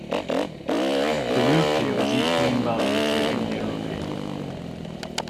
The rupia was equal in value to the Indian rupee.